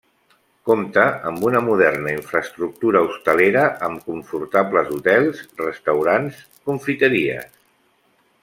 Compta amb una moderna infraestructura hostalera, amb confortables hotels, restaurants, confiteries.